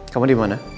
kamu di mana